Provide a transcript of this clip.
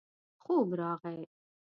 خوب راغی.